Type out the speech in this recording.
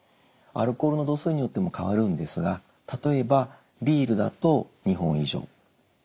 アルコールの度数によっても変わるんですが例えばビールだと２本以上。